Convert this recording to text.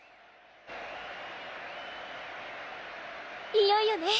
いよいよね。